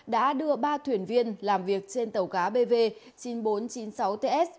đã đưa ba thuyền viên làm việc trên tàu cá bv chín nghìn bốn trăm chín mươi sáu ts